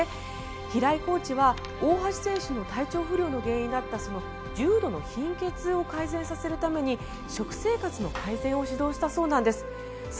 平井コーチは大橋選手の体調不良の原因だったその重度の貧血を改善させるために食生活の改善を指導したそうなんです。